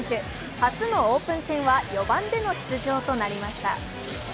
初のオープン戦は４番での出場となりました。